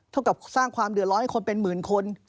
เท่ากับสร้างความเดือดร้อนให้คนเป็นหมื่นคน